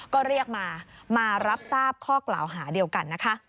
ก็เรียกมามารับทราบข้อกล่าวหาเดียวกันนะคะ